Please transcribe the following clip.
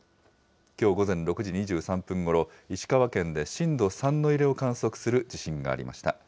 きょう午前６時２３分ごろ、石川県で震度３の揺れを観測する地震がありました。